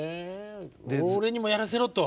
俺にもやらせろと。